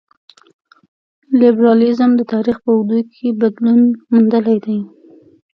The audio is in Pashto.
لېبرالیزم د تاریخ په اوږدو کې بدلون موندلی دی.